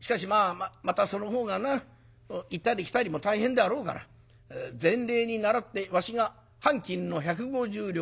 しかしまたその方がな行ったり来たりも大変であろうから前例に倣ってわしが半金の百五十両をもらっておく。